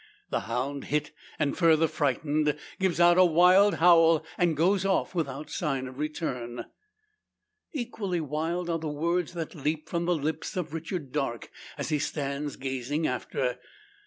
The hound hit, and further frightened, gives out a wild howl, and goes off, without sign of return. Equally wild are the words that leap from the lips of Richard Darke, as he stands gazing after.